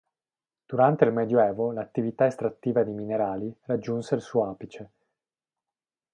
Durante il Medioevo l'attività estrattiva di minerali raggiunse il suo apice.